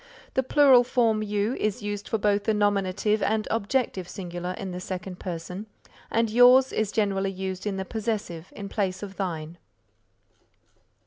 The Plural form You is used for both the nominative and objective singular in the second person and Yours is generally used in the possessive in place of Thine.